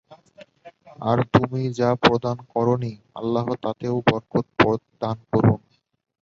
আর তুমি যা প্রদান করনি আল্লাহ তাতেও বরকত দান করুন।